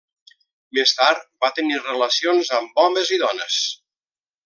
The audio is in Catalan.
Més tard va tenir relacions amb homes i dones.